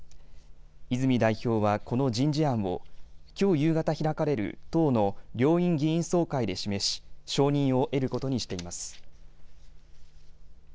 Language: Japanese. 泉代表はこの人事案をきょう夕方開かれる党の両院議員総会で示し承認を得ることにしています。